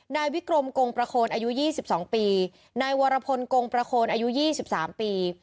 นายวิกรมกงประโคนอายุยี่สิบสองปีนายวรพลกงประโคนอายุยี่สิบสามปี